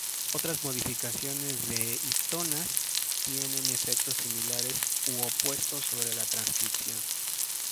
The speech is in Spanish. Otras modificaciones de histonas tienen efectos similares u opuestos sobre la transcripción.